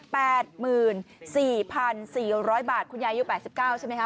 หมื่นสี่พันสี่ร้อยบาทคุณยายุแปดสิบเก้าใช่ไหมคะ